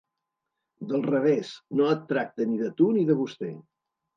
Del revés, no et tracta ni de tu ni de vostè.